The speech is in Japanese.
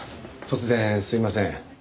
突然すいません。